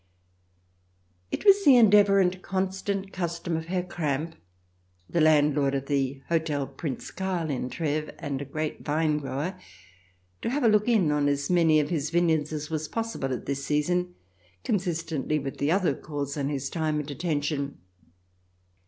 *« jj^ «« It was the endeavour and constant custom of Herr Kramp, the landlord of the Hotel Prinz Carl in Treves, and a great vine grower, to have a look in on as many of his vineyards as was possible at this season, consistently with the other calls on his time and attention.